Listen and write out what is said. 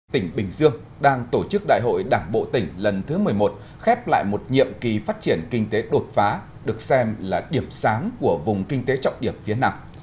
tỉnh bình dương đang tổ chức đại hội đảng bộ tỉnh lần thứ một mươi một khép lại một nhiệm kỳ phát triển kinh tế đột phá được xem là điểm sáng của vùng kinh tế trọng điểm phía nặng